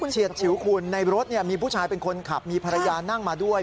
เฉียวคุณในรถมีผู้ชายเป็นคนขับมีภรรยานั่งมาด้วย